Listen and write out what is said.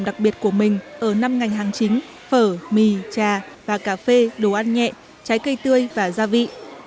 đặc biệt của mình ở năm ngành hàng chính phở mì trà và cà phê đồ ăn nhẹ trái cây tươi và gia vị